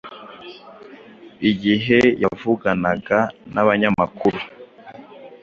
igihe yavuganaga n’abanyamakuru